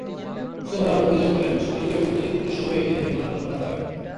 সোহরাব অভিযোগ করেন, শাকিলকে বৈদ্যুতিক খুঁটির সঙ্গে বেঁধে মারধর করা হয়।